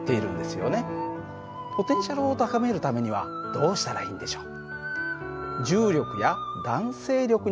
あなたのポテンシャルを高めるためにはどうしたらいいんでしょう。